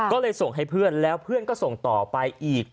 ก็เลยส่งให้เพื่อนแล้วเพื่อนก็ส่งต่อไปอีก